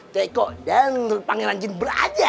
teko dan pangeran jin braja